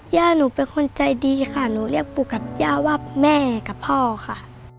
ย่าหนูเป็นคนใจดีค่ะหนูเรียกปู่กับย่าว่าแม่กับพ่อค่ะ